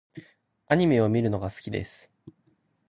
アニメを見るのが好きです。